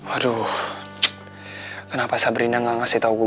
aduh kenapa sabrina gak ngasih tau gue